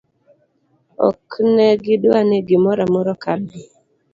oknegidwa ni gimoramora okalgi